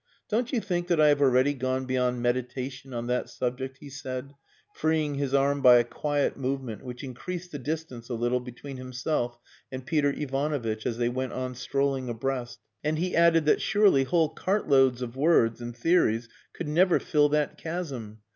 "Don't you think that I have already gone beyond meditation on that subject?" he said, freeing his arm by a quiet movement which increased the distance a little between himself and Peter Ivanovitch, as they went on strolling abreast. And he added that surely whole cartloads of words and theories could never fill that chasm.